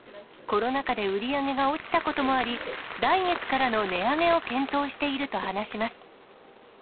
コロナ禍で売り上げが落ちたこともあり、来月からの値上げを検討していると話します。